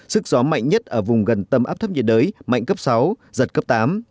sức gió mạnh nhất ở vùng gần tâm áp thấp nhiệt đới mạnh cấp sáu giật cấp tám